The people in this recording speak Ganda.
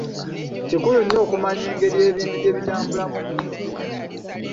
Kikulu nnyo okumanya engeri ebintu gye bitambulamu mu nsi.